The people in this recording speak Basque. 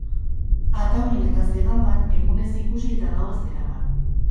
Ataunen eta Zegaman, egunez ikusi eta gauez eraman.